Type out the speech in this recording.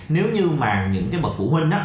nếu như mà những cái bậc phụ huynh